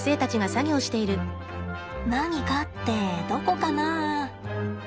何かってどこかな？